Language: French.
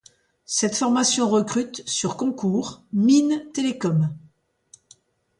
Cette formation recrute sur concours Mines-Télécom.